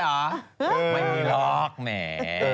ไม่มีหรอกแหม